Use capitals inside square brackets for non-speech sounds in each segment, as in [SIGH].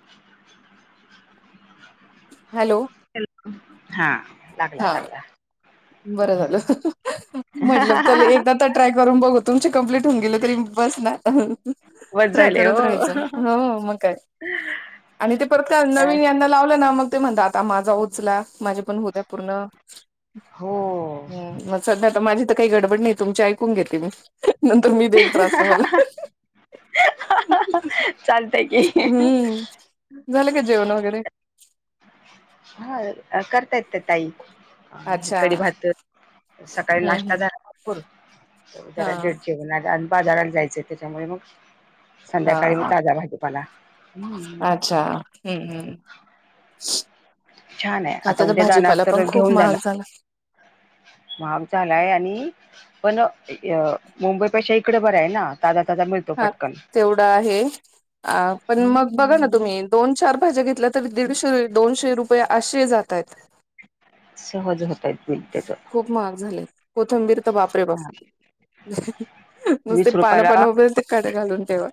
[INAUDIBLE] Hello.. हा लागल्या हा लागला... बरं झालं म्हटलं चल एकदा तर ट्राय करून बघू... तुमचे कंप्लीट होऊन गेले. तरी बस ना आ.. वज ट्राय झाले करत हो राहायच. मग काय आणि ते परत अ, नवीन लावलं ना मग ते म्हणता आता माझा चला माझे पण होत पूर्ण हो. औ. हम मग सध्या आता माझी तर काही गडबड नाही. तुमची ऐकून घेते मी नंतर मी देईल त्रास तुम्हाला चालतंय की हम्म झालं का जेवण वगैरे.. हा करता येतं ते ताई अ अच्छा कडी भात सकाळी हम्म नाश्ता हम्म झाला. भरपूर हा जरा जे जेवणार बाजाराला जायचं त्याच्यामुळे मग.. हा संध्याकाळी मग हा ताजा भाजीेपाला. ह.. अच्छा हम्म हम् छान आहे आता तर उद्या जाणार भाजीपाला पण तर खूप महाग झाला. भाग झालाय आणि.. पण मुंबईपेक्षा इकडे बरं आहे ना ताजा ताजा हा पटकन तेवढा आहे. पण मग बघा ना हम्म तुम्ही.. दोन चार भाज्या घेतल्या तरी दीडशे दोनशे रुपये असे. जात आहेत सहज होतय बिल त्याच खूप महाग झाले. कोथंबीर तर बापरे बाप! नुसते वीस पानं रुपयाला पाणं उभे अस.. कडे घालून ठेवा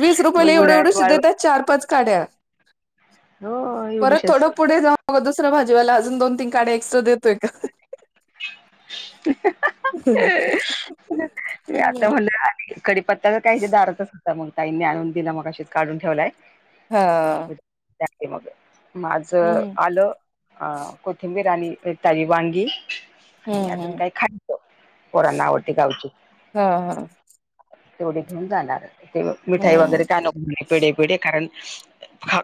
वीस रुपयाला मग एवढं एवढं उन्हाळ्यात श देत.. वाळवण चार पाच काड्या हो परत एवढीशच थोडं पुढे जाऊ.. मग दुसऱ्या भाजीवाला अजून दोन तीन काढ्या एक्स्ट्रा देतोय का.. आता भला.. कडीपत्ताच काही दारातच असतता. मग ताईंनी आणून दिला मग अच काढून ठेवलाय. हा.. मग माझ हम्म आलं... अं कोथिंबीराणी ताजी वांगी हम्म आणि अजून हम्म काही खायचं पोरना आवडती गावची हा हा तेवढी घेऊन जाणार ते मिठाई हम्म वगैरे काय नको पिढ पिढ कारण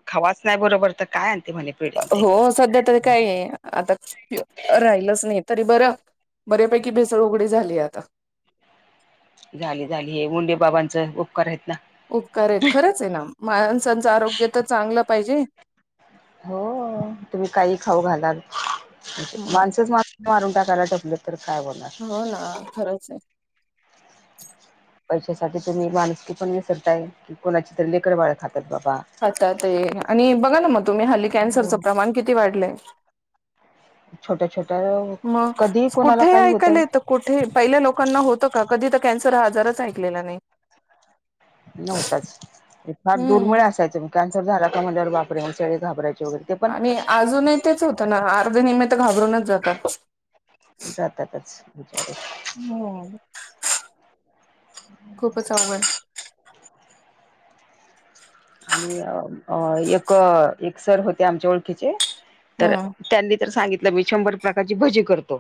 खावाच नाही बरोबर तर काय आण ते म्हणे पेढे ते हो सध्या तरी काय आहे आता राहिलंच नाही तरी बरं बरेपैकी भेसळ उघडी झाली आता झाली झाली हे मुंडे बाबांच उपकार आहेत ना उपकार आहेत खरंच आहे ना माणसांचं आरोग्य तर चांगलं पाहिजे हो तुम्ही काही खाऊ घालात म माणसच मा मारून टाकायला ठेपलेत तर काय बोलणार हो ना खरंच आहे पैशासाठी तुम्ही माणसकी पण विसरताय की कोणाची तर लेकर बाळ खातात बाबा आता ते आणि बघा ना मग तुम्ही हल्ली कॅन्सरचं हो प्रमाण किती वाढलंय छोट्या छोट्या मग कधी कोणाला कुठे काही होतय ऐकायला येत कुठे पहिल्या लोकांना होतं का कधी तर कॅन्सर हा आजारच ऐकलेला नाही नव्हताच फार दुर्मळे हम्म असायचं मग कॅन्सर झाला का म्हणल्यावर बापरे शेळी घाबरायची वगैरे ते पण आणि अजूनही तेच होतं ना अर्ध निमित तर घाबरूनच जातात जातातच बचारे हो खूपच आवघण आणि एक एक सर होते आमच्या ओळखीचे तर हम्म त्यांनी ज सांगितलं मी शंभर प्रकारची भजी करतो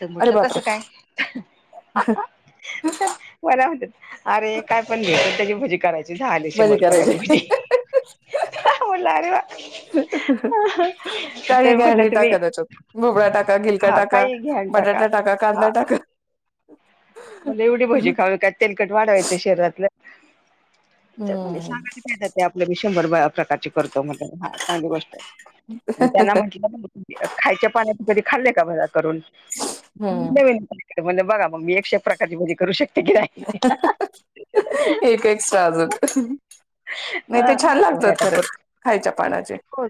तर अरे म्हटलं बापरे कस काय तर मला म्हणटात अरे काय पण घे प त्याची भुजी करायची झाली श मर कयचे हला अरवा ह काही घॅडी तुम्ही टाका त्याच्यात भोबळा टाका गिलका हा टाका काही घ्या आणि बटाटा टाका कर्नाटक मला एवढी भजी खाऊ काय तेलकट वाढवायचं शरीरातला हम्म सगायात आपल्या शंभर प्रकारचे तो म्ह ह चांगली गोष्ट त्यांना म्हटलं खायच्या पाण्याचे कधी खाल्ले का मज करून हम्म नवीन म्हणजे बघा म मी एकशे प्रकारची भजी करू शकते की नाही एक एक् सट्राजत नाही ते हा छान लागत म्हणे आता करू खरच खायच्या पानाचे हो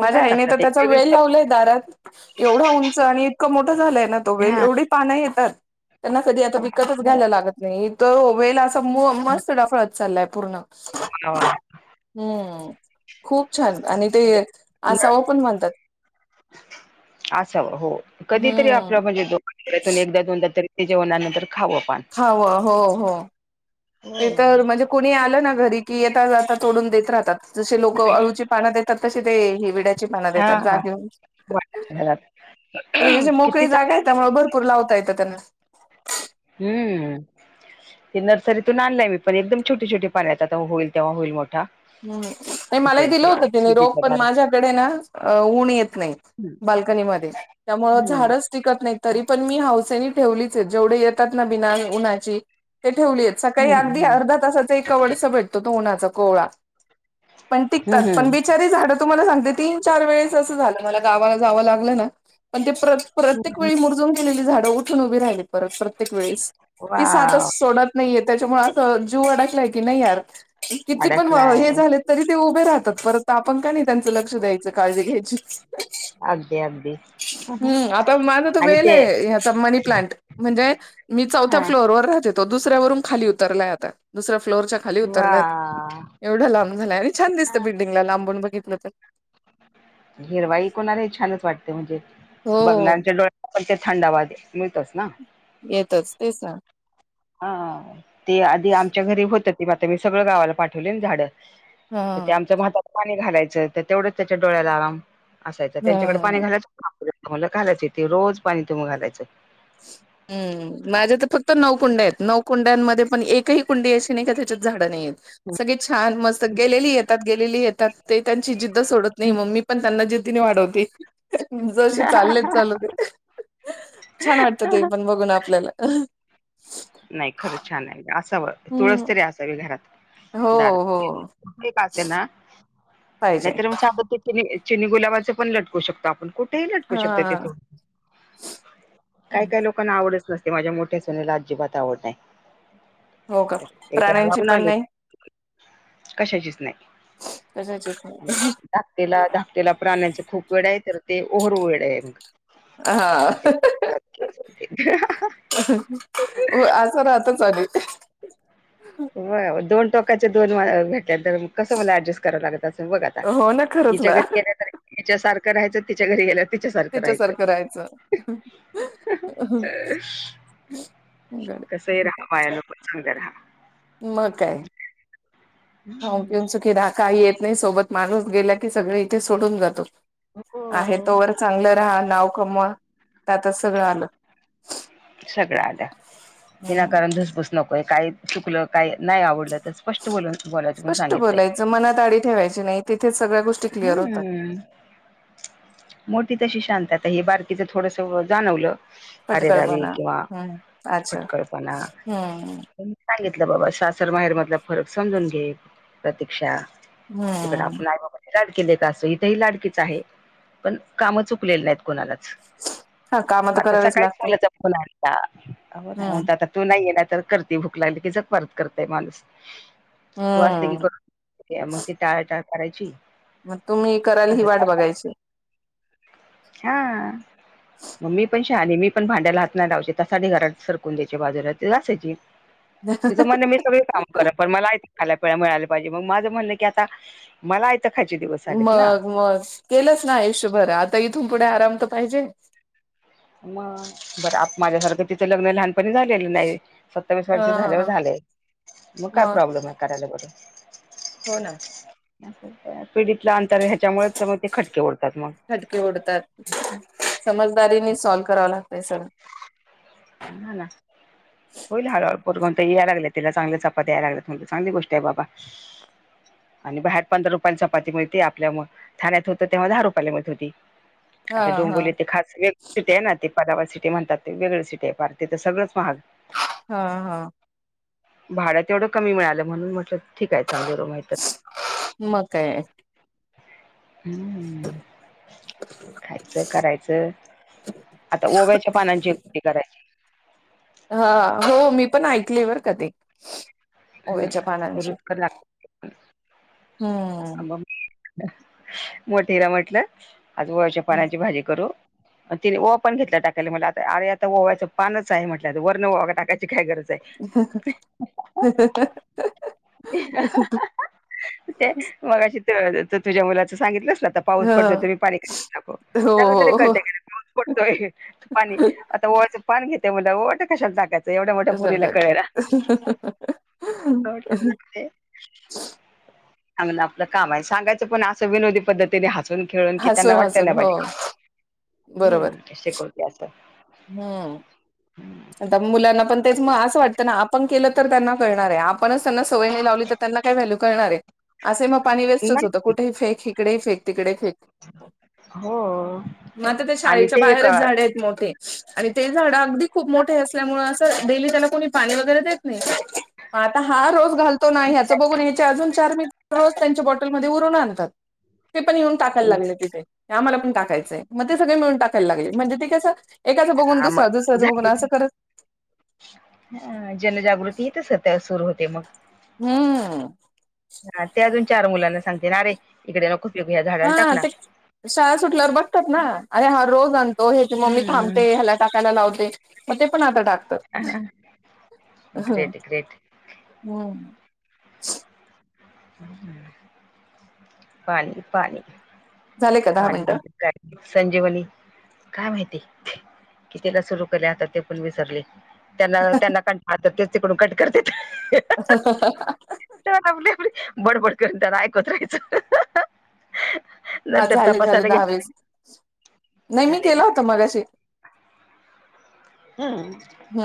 माझ्या आईने तर लागतात एक त्याचा वेगळीच वेळ लावलाय दारात एवढा उंच आणि इतकं मोठं झालंय ना तो चव वेल हा एवढी पान येतात त्यांना कधी आता तच घ्यायला लागत नाही तो वेला असं मस्त डफळत चाललाय पूर्ण वा वा हम्म खूप छान आणि ते आसाव पण म्हणतात असाव हो कधीतरी हम्म आपलं म्हणजे दोकानून एकदा दोनदा तरी ते जेवणानंतर खाऊं आपण हव हो हो ते तर म्हणजे कोुणी आलं ना घरी की येता आता तोडून देत राहतात जसे लोक अळूची पाना देतात तसे ते ह विड्या हा वाटत ात मोकळी किती जाा चांग त्यामुळे भरपूर लावता येतं त्याना हम्म ते नर्सरीतून आणलायी पण एकदम छोटे छोटे पाणी आ होईल तेव्हा होईल मोठा हम्म नाही मलाही इथे दिलं होत तिने रोग सुजीच्या पण दारात माझ्याकडे ना ऊन येत नाही हम्म बाल्कनीमध्ये त्यामुळ हम्म झाडच िकत नाही तरी पण मी हासेनी ठेवलीच आहे जेवढे येतात ना बिना उन्हाची ते ठेवली आहेत सकाळी अगदी हम्म अर्धा तासाच एकवडस भेटतो तो उन्हाचा कोवळा पण टिकतात पण हम्म बिचारी झाडं तुम्हाला सांगते तीन चार वेळेस असं झालं मला गावाला जावं लागलं ना पण ते प्रत प्रत्येक वेळी मुरजून केलेली झाडं उठून उभी राहिली परत प्रत्येक वेळेस ती सातच वाव सोडत नाहीये त्याच्यामुळे असं जीव अडकलाय की नाहीर किती पण हे अडकलाय झाले तरी ते उभे राहतात पर तपंकानी त्यांच लक्ष द्यायचं काळजी घ्यायची अगदी अगदी हम्म आता माझ त आणि वेल ते आहेचा मनी प्लांट म्हणजे मी चौथ्या हा फ्लोअर ्लोर राहते तो दुस्यारून खाली उतरला यात दुस्या फ्लोरच्या खाली वा उतरला येतो एवढं लांब झालं आणि छान दिसत बल्डंगला लांबून बघितलं तर हिरवाई कोणार हे छानच वाटते म्हणजे हो बघनांच्या डोळ्या पण ते थंडावा मिळतोस ना येतच ते स हा ते आधी आमच्या घरी होत ते मता मी सगळं गावाला पाठवले झाडं तर ते हां. आमच्या भातात पाणी घालायचं तर तेवढंच त्याच्या डोळ्याला आराम असायच त्यांच्याकडे पाणी हां घालायच तुम्हाला घालायचं तेे रोज पाणी तुम्ही घालायचं हम् माझ्या तर फक्त नऊकुंड आहेत नऊकुंड्यांमध्ये पण एकही कुंडी अशी नाही का त्याच्यात झाडं नाही आहेतेत सगळी छान मस्त गेलेली येतात गेलेली येतात ते त्यांची जिद्द सोडत नाही मम्मी पण त्यांना जिद्दीने वाढवते जसे चाललेच चालू ते छान वाटत ते पण बघून आपल्याला नाही खरंच छान आहे असावं हम्म तुळस तरी असावी घरात हो हो का असे ना पाहिजे. नाहीतर म स चिनी गुलाबाचं पण लटकू शकतो आपण कुठ ते लटकू शकत तिथ हां काय काय लोक कना आवडत नसते माझ्या मोठ्या सोन्याला अजिबात आवड नाही हो का प्राण्यांची र पण नाग नाही कशाचीच कशाची पण नाही धाकटेलाा त्याला प्राण्यांचा खूप वेळ आहे तर ते ओहरू वेळ आहे मग हां. हो आज राहता चाले हो दोन टोकाचे दोन भेटल्या तर कसं मला ऍडजस्ट कराय लागत अस बघ आता हो ना खरंच हिच्या ना. घरी गेल्या याच्या सारखं राहायं तिच्या घरी गेल्या तिच्यासारखं राहायचंय कसही राहा पायानोकत चांग राहा मग काय हो पिऊन चुकीी ढाकाही येत नाही सोबत माणूस गेला की सगळे इथे सोडून जातो आहेत हो तोवर चांगलं राहा नाव कमवा त्यातच सगळं आलं. सगळं आल्या हम्म. विनाकारणधस बसत नकोय काय चुकलं काय नाही आवडलं तर स्पष्ट बोलून बोलायचून स्पष्ट सांगितलंय बोलायचं मनात आडी ठेवायची नाही तिथेच सगळ्या गोष्टी क्लिअर होतात. हम्मम मोठी तशी शांतता हे बारकीचं थोडस जाणवलं अरेदावी पटकळपणा किंवा हम्म अच्छा खटकळपणा हम्म सांगितलं बाबा सासर माहेर मधला फरक समजून घे प्रतीक्षा तिकडे हम्म आपण आई बाबानी लाडकीले का असो इथे ह लाडकीच आहे पण काम चुकलेलं नाही णालाच हा काम मग तर आता करावेच सकाळीच लागतात मुलाचा फून आण हो हम्म ना आ तू नाही ये ना तर करते भूक लागली की जगमारत करताय माणूस तू असले की हम्म कर मग ती टाळ टाळ करायची मग तुम्ही करायला ही असं वाट बघायची हा. म मी पन शानी मी पण भांड्याला हात नाही लावचे, त्यासाठी घरात सरकून द्यायचे बाजूला ते घासाची. तिचं म्हणणे मी सगळे काम खरं पण मलाय खाला पिळा मिळाला पाहिजे, मग माझं म्हणणं की आता मला त खा चे दिवस आलेत ना मग मग केलंच ना आयुष्यभर, आता इथून पुढे आराम तर पाहिजे मग बरं आप-माझ्यासारखं तिचं लग्न लहानपणी झाल् केल नाही सत्तावीस वर्ष झाल्यावर हा झालेय मग काय प्रॉब्लेम आहे करायला बरोबर हो ना पिढीतला अंतर ह्याच्यामुळेच सगळे ते खटके उडतात मग खटके ओढतात समजदारीने सॉल्व करावं लागतय सगंळ हा ना होईल हळ हळ पोरण याय लाग तिला चांगलं चपात द्याय लागत चांगली गोष्ट आहे बाबा आणि बाहेर पंधरा रुपयाची चपाती मिळते आपल्या ठाण्यात होत तेव्हा दहा रुपयला मिळत होती. हा आता हा डोंबिवली ते खास वेग सिटी आहे ना ते पदावा सिटी म्हणतात ते वेगळ सिट ते पार ते तरं सगळंच महाग हा हा भाड तेवढं कमी मिळालं म्हणून म्हटलं ठीक आहे चांगले रुम आहे तर मग काय हम्म खायचं करायचं आता ओव्याच्या पानांची गती करायची हा हो मी पण ऐकलेय बरं का ते ओवाच्या हम्म पानांची रुचकर लागते हम्म मग मोठीला म्हटलं आज वळच्या पानाची भाजी करू. तिने ओवा पण घेतला टाकायला म्हट आरे आता ओवयच पानच आहे म्हटलं वरण ओवा टाकायच. काय गरज आहे. ह [UNINTELLIGIBLE] ते मग अशी तुझ्या मुलाचं सांगितलंच ना तर पाऊस पडतो ह तर पाणी कशाला तापव हो त्याला टतरी हो हो. कळतय का पाऊस पडतोय पाणी आता ओव्याच पान घेतय म्हटल्यावर ओवा त कशा टाकायचं एवढ्या मोठ्या पोरीला कळेना. [UNINTELLIGIBLE] [UNINTELLIGIBLE] सांगणं आपलं काम हाय सांगायचं पण असं विनोदी पद्धतीने हसून खेळून की त्यांना हसून वाटत हसून हो नाजे ह् करते अस. हम् [INAUDIBLE] मुलांना पण ते असं वाटतं ना आपण केलं तर त्यांना कळणार आहे आपणच त्यांना सवय नाही लावली तर त्यांना काय व्हॅल्यू करणार आहे असे मग पाणी वेस्टच नाही होतं कुठेही फेक- तिकडे, फे तिकडे- हो मग आता त्या आणि शाळेच्या ते एक बाहेरच झाड आहेत मोठे. आणि ते झाड अगदी खूप मोठे असल्यामुळे असं डेली त्याला कोणी पाणी वगैरे देत नाही. आता हा रोज घालतो नाही, ह्याचं बघून ह्याचे अजून चार मी रोज त्यांच्या बॉटलमध्ये उरून आणतात. ते पण येऊन टाकायला लागले तिथे आम्हाला पण टाकायचय मग ते सगळे मिळून टकायला लागले म्हणजे ते कसं- एकाचं बघून हा दुसरा, दुस्याचं बघून असं खच- अ जनजागृती इथुनच सुरू होते मग, हम्म हा ते अजून चार मुलांना सांगते, अरे इकडे नको. फेकू ह्या झाडाला टाक हा ना ते शाळा सुटल्यावर बघतात ना, अरे हा रोज आणतो ह्याची मम्मी थांबते हम्म ह्याला टाकायला लावते मग ते पण आता टाकतात. ह ग्रेट ग्रेट हम् पाणी पाणी झाले का दहा पाणी मिनिटं संजीवली काय माहिती कितीला सुरू केल्या आता ते पण विसरले त्यांना त्यांना क हात तेच तिकडून कट करते चली बड बड कर दनायकोतच हा झाले झाले दहा गेले वस नाही मी झाले ना केला हो मगाशी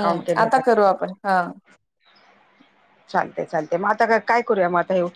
काउंट केलं आता होतं करू आपण हा. चालते चालते मग आता का काय करूया मग आता हेव.